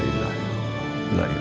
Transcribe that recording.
tidak ada tuhan